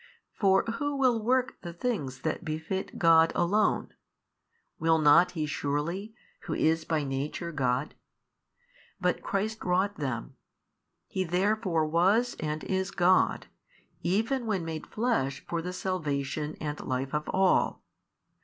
For who will work the things that befit God Alone? will not He surely Who is by Nature God? but Christ wrought them; He therefore was and is God, even when made Flesh for the salvation and life of all.